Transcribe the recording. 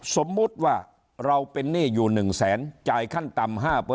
สมมุติว่าเราเป็นหนี้อยู่๑แสนจ่ายขั้นต่ำ๕